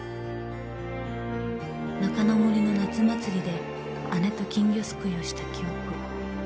［中之森の夏祭りで姉と金魚すくいをした記憶］